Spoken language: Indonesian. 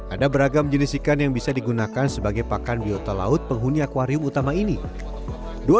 ada beragam jenis ikan yang bisa digunakan sebagai pakan biota laut penghuni akwarium utama ini